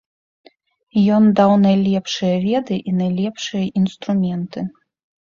Ён даў найлепшыя веды і найлепшыя інструменты.